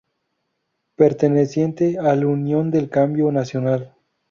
Perteneciente al Unión del Cambio Nacional.